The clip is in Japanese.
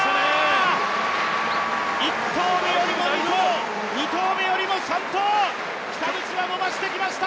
１投目よりも２投、２投目よりも３投北口は伸ばしてきました！